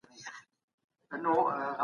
د شپې د رڼا زیاتوالی خوب خرابوي.